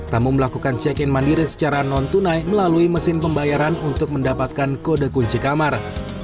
tamu melakukan check in mandiri secara non tunai melalui mesin pembayaran untuk mendapatkan kode kunci kamar